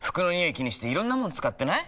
気にしていろんなもの使ってない？